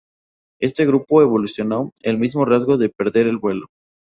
Este grupo evolucionó el mismo rasgo de perder el vuelo.